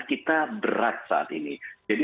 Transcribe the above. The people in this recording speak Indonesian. kita berat saat ini jadi